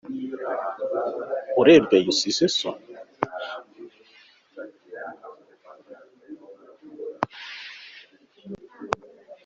Uremeye usize so